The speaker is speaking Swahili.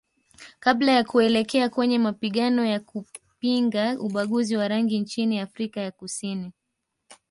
Kabla ya kuelekea kwenye mapigano ya kupinga ubaguzi wa rangi nchini Afrika ya Kusini